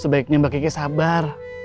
sebaiknya mbak kiki sabar